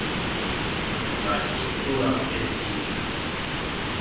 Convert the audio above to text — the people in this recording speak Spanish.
La estructura es simple.